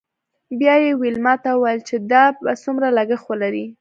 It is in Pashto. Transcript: بیا یې ویلما ته وویل چې دا به څومره لګښت ولري